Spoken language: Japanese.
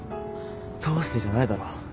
どうしてじゃないだろ。